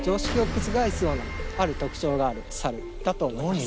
へぇへぇある特徴がある猿だと思います何？